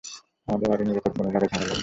আমাদের আরো নিরাপদ কোনো জায়গায় থাকা লাগবে।